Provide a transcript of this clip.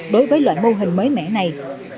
đối với loại mô hình mới mẻ này